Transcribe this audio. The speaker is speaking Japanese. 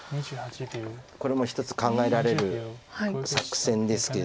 これも一つ考えられる作戦ですけど。